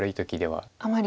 あまり。